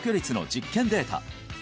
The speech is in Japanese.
実験データ